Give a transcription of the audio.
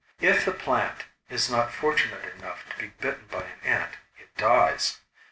If the plant is not fortunate enough to be bitten by an ant it dies.